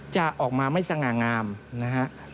จะออกมาไม่สง่างามนะฮะ